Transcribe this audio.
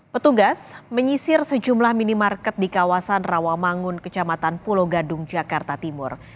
petugas menyisir sejumlah minimarket di kawasan rawamangun kecamatan pulau gadung jakarta timur